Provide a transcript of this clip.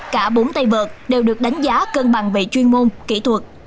cả bốn tay vật đều được đánh giá cân bằng về chuyên môn kỹ thuật